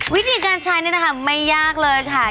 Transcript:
วิธีการใช้นี่นะคะไม่ยากเลยค่ะ